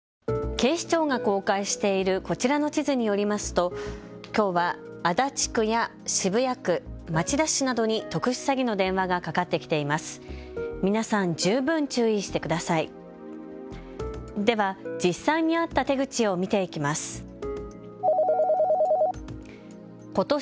警視庁が公開しているこちらの地図によりますときょうは足立区や渋谷区、町田市などに特殊詐欺の電話がかかってきています。